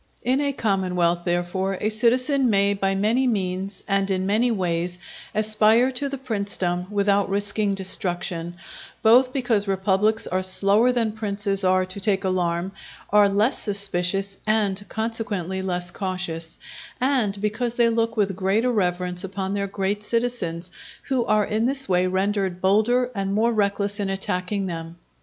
In a commonwealth, therefore, a citizen may by many means and in many ways aspire to the princedom without risking destruction, both because republics are slower than princes are to take alarm, are less suspicious and consequently less cautious, and because they look with greater reverence upon their great citizens, who are in this way rendered bolder and more reckless in attacking them.